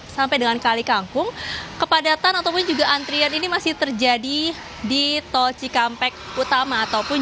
sampai dengan kali kangkung kepadatan ataupun juga antrian ini masih terjadi di tol cikampek utama